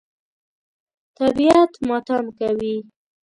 طبیعت ماتم کوي.